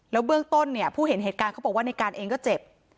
เบื้องต้นเนี่ยผู้เห็นเหตุการณ์เขาบอกว่าในการเองก็เจ็บ